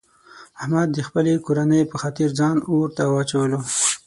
احمد د خپلې کورنۍ په خاطر ځان اورته واچولو.